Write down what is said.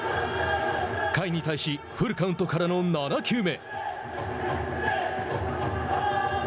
甲斐に対しフルカウントからの７球目。